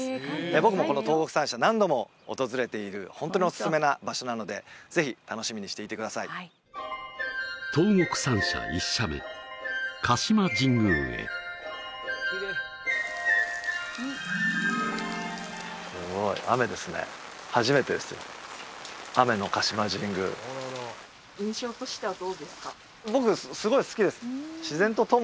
僕もこの東国三社何度も訪れているホントにおすすめな場所なのでぜひ楽しみにしていてください東国三社１社目鹿島神宮へ早速中へおよそ４００年前に建てられた社殿